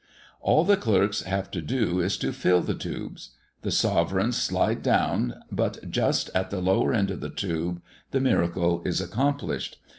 All the clerks have to do is to fill the tubes. The sovereigns slide down, but just at the lower end of the tube the miracle is accomplished.